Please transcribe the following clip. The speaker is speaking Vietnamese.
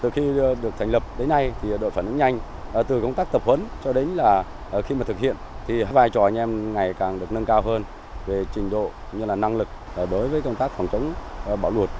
khi mà thực hiện thì vai trò anh em ngày càng được nâng cao hơn về trình độ như là năng lực đối với công tác phòng chống bão luột